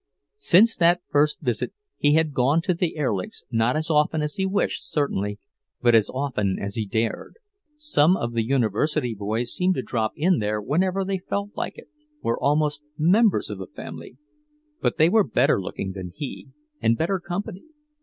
Since that first visit, he had gone to the Erlichs', not as often as he wished, certainly, but as often as he dared. Some of the University boys seemed to drop in there whenever they felt like it, were almost members of the family; but they were better looking than he, and better company.